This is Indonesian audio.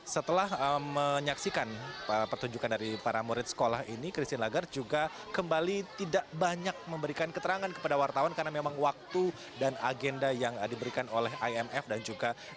setelah menyaksikan pertunjukan dari para murid sekolah ini christine lagarde juga kembali tidak banyak memberikan keterangan kepada wartawan karena memang waktu dan agenda yang diberikan oleh imf dan juga